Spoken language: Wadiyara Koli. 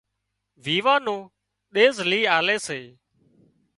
ويوان نو ۮيز لئي آلي سي